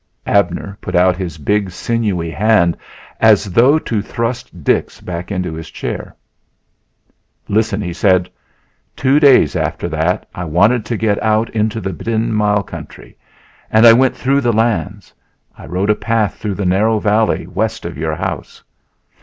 Abner put out his big sinewy hand as though to thrust Dix back into his chair. "Listen!" he said. "Two days after that I wanted to get out into the Ten Mile country and I went through your lands; I rode a path through the narrow valley west of your house.